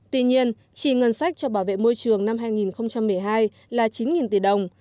tuy nhiên chi ngân sách cho bảo vệ môi trường năm hai nghìn một mươi hai là chín tỷ đồng